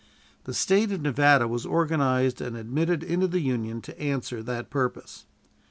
The State of Nevada was organized and admitted into the Union to answer that purpose.